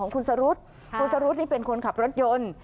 ของคุณสรุษธิ์คุณสรุธิ์คุณสรุธิ์เป็นคนขับรถยนต์